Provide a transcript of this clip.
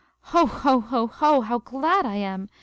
Ho, ho, ho, ho, how glad I am!